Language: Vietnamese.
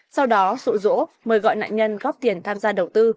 sau đó sụ rỗ mời gọi nạn nhân góp tiền tham gia đầu tư